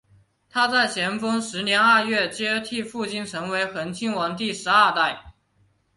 他在咸丰十年二月接替父亲成为恒亲王第十二代。